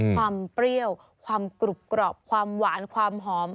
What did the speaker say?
เปรี้ยวความกรุบกรอบความหวานความหอม